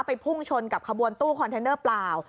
พุ่งชนกับขบวนตู้คอนเทนเนอร์เปล่า